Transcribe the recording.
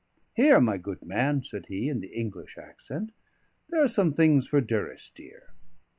"Here, my good man," said he, in the English accent, "here are some things for Durrisdeer."